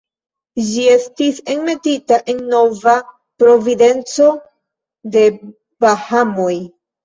Ĝi estis enmetita en Nova Providenco de Bahamoj.